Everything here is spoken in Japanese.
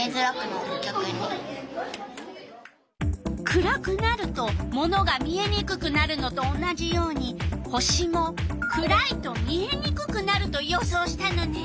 暗くなるとものが見えにくくなるのと同じように星も暗いと見えにくくなると予想したのね。